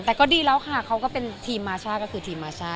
แต่ก็ดีแล้วค่ะเขาก็เป็นทีมมาซ่าก็คือทีมมาซ่า